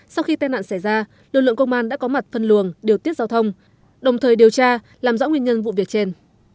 sau khi tai nạn xảy ra lực lượng công an đã có mặt phân luồng điều tiết giao thông đồng thời điều tra làm rõ nguyên nhân vụ việc trên